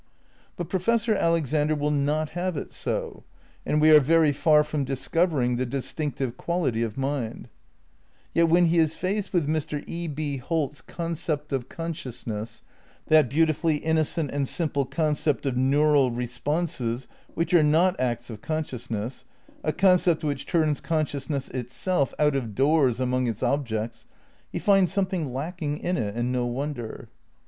But Professor Alexander will not have it so ; and we are very far from discovering the distinctive quality of mind. Yet when he is faced with Mr. E. B. Holt's "concept ' Space, Time and Deity, Vol. II, p. 103. ' The same, p. 105. V THE CRITICAL PREPARATIONS 197 of consciousness," that beautifully innocent and simple concept of neural responses which are not acts of con sciousness, a concept which turns consciousness itself out of doors among its objects, he finds something lack ing in it, and no wonder.